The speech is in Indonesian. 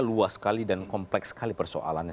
luas sekali dan kompleks sekali persoalannya